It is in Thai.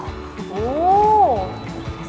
สวัสดีค่ะ